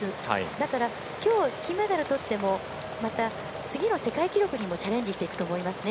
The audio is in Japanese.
だから、きょう金メダル取ってもまた、次の世界記録にもチャレンジしていくと思いますね。